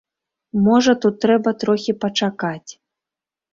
Можа, тут трэба трохі пачакаць.